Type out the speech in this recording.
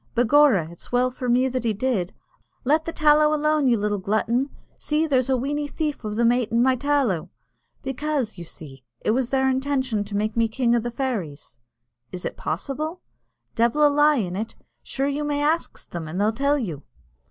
Begorra, it's well for me that he did (let the tallow alone, you little glutton see, there's a weeny thief o' them aitin' my tallow) becaise, you see, it was their intention to make me king o' the fairies." "Is it possible?" "Devil a lie in it. Sure you may ax them, an' they'll tell you."